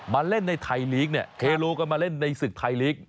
มาเล่นในไทยลีกเนี้ยเคโลก็มาเล่นในศึกไทยาโหลลีก